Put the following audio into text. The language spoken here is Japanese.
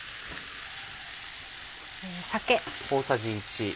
酒。